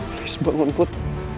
please bangun put